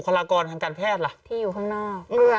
กล้องกว้างอย่างเดียว